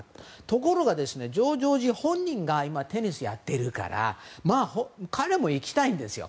ところが、ジョージ王子本人が今、テニスをやっているから彼も行きたいんですよ